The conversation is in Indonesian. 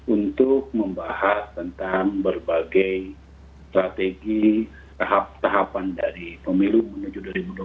untuk membahas tentang berbagai strategi tahapan dari pemilu menuju dua ribu dua puluh empat